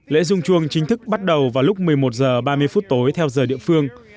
lễ rung chuông chính thức bắt đầu vào lúc một mươi một h ba mươi phút tối theo giờ địa phương